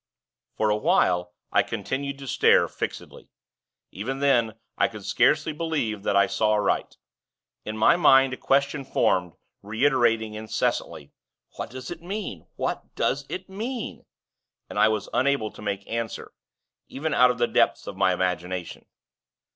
For a while, I continued to stare, fixedly. Even then, I could scarcely believe that I saw aright. In my mind, a question formed, reiterating incessantly: 'What does it mean?' 'What does it mean?' and I was unable to make answer, even out of the depths of my imagination.